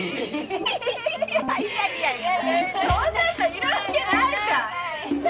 いやいやいやそんな人いるわけないじゃん！